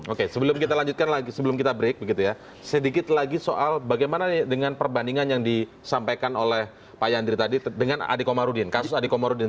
oke sebelum kita lanjutkan lagi sebelum kita break begitu ya sedikit lagi soal bagaimana dengan perbandingan yang disampaikan oleh pak yandri tadi dengan adi komarudin kasus adi komarudin